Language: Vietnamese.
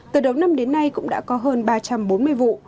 từ đầu năm đến nay cũng đã có hơn ba trăm bốn mươi vụ